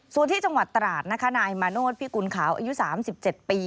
ส่วนที่จังหวัดตราดนะคะนายมาโนธพิกุลขาวอายุ๓๗ปี